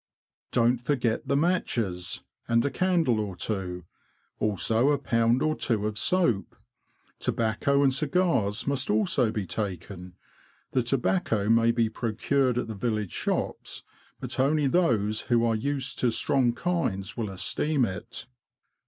Don't forget the matches ! and a candle or two ; also a pound or two of soap. Tobacco and cigars must also be taken ; the tobacco may be pro cured at the village shops, but only those who are used to strong kinds will esteem it.